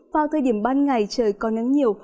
vào thời điểm ban ngày trời có nắng nhiều